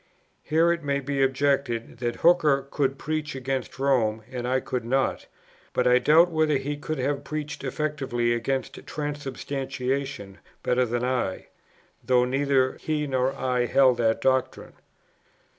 Here it may be objected, that Hooker could preach against Rome and I could not; but I doubt whether he could have preached effectively against Transubstantiation better than I, though neither he nor I held that doctrine.